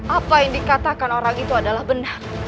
apa yang dikatakan orang itu adalah benda